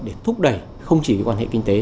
để thúc đẩy không chỉ quan hệ kinh tế